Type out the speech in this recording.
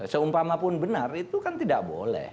seumpamapun benar itu kan tidak boleh